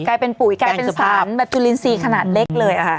กลายเป็นปุ๋ยกลายเป็นสารแบบจุลินทรีย์ขนาดเล็กเลยค่ะ